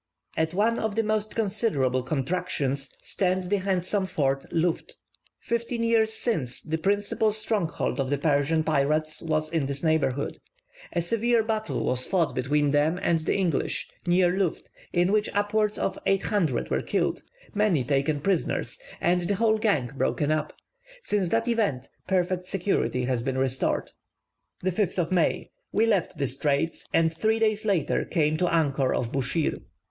At one of the most considerable contractions stands the handsome fort Luft. Fifteen years since the principal stronghold of the Persian pirates was in this neighbourhood. A severe battle was fought between them and the English, near Luft, in which upwards of 800 were killed, many taken prisoners, and the whole gang broken up. Since that event, perfect security has been restored. 5th May. We left the straits, and three days later came to anchor off Buschir.